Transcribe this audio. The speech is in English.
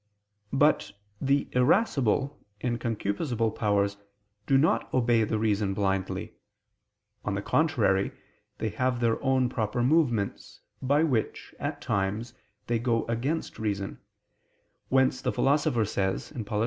But the irascible and concupiscible powers do not obey the reason blindly; on the contrary, they have their own proper movements, by which, at times, they go against reason, whence the Philosopher says (Polit.